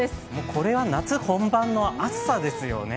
これは夏本番の暑さですよね。